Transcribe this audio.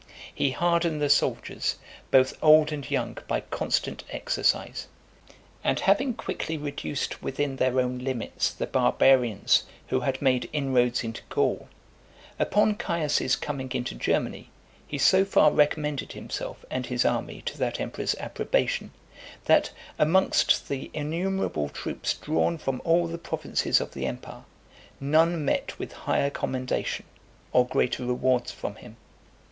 He hardened the soldiers, both old and young, by constant exercise; and having quickly reduced within their own limits the barbarians who had made inroads into Gaul, upon Caius's coming into Germany, he so far recommended himself and his army to that emperor's approbation, that, amongst the innumerable troops drawn from all the provinces of the empire, none met with higher commendation, or greater rewards from him.